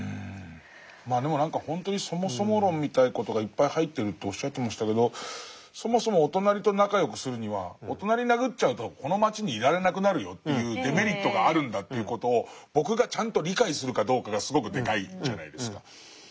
まあでも何かほんとに「そもそも論」みたいな事がいっぱい入ってるっておっしゃってましたけどそもそもお隣と仲良くするにはお隣殴っちゃうとこの町にいられなくなるよというデメリットがあるんだという事を僕がちゃんと理解するかどうかがすごくでかいじゃないですか。